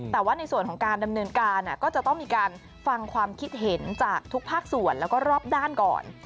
แต่ว่าในส่วนของการดำเนินการก็จะต้องมีการฟังความคิดเห็นจากทุกภาคส่วนแล้วก็รอบด้านก่อน